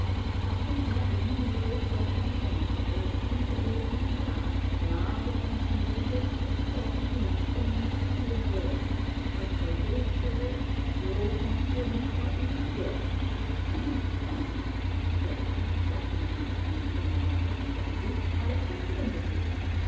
I can't offer you no great show o' entertainment; but thar's a piece o' deer meat in the house, an' I reckon I can raise a cup o' coffee, an' a pone or two o' bread. As for your shore, the ole corn crib ain't quite empty yet." "Thanks thanks!" said I, grasping the hunter's hand in the warmth of my gratitude. "I accept your invitation."